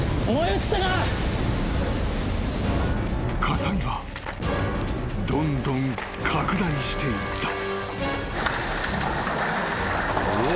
［火災がどんどん拡大していった］